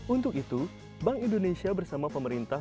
untuk itu bank indonesia bersama pemerintah